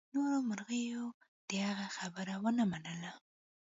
نورو مرغیو د هغې خبره ونه منله.